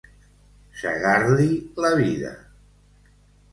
Segar-li la vida.